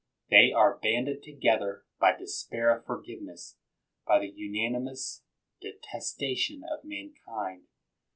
They are handed together by despair of forgiveness, by the unanimous detesta tion of mankind.